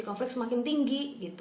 konflik semakin tinggi